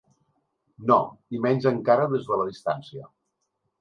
No, i menys encara des de la distància.